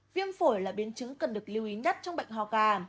viêm phổi là biến chứng cần được lưu ý nhất trong bệnh ho gà